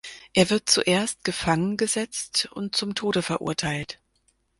Er wird zuerst gefangengesetzt und zum Tode verurteilt.